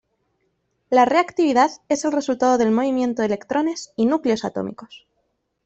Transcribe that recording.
La reactividad es el resultado del movimiento de electrones y núcleos atómicos.